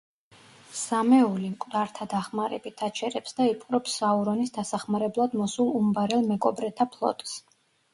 სამეული, მკვდართა დახმარებით, აჩერებს და იპყრობს საურონის დასახმარებლად მოსულ უმბარელ მეკობრეთა ფლოტს.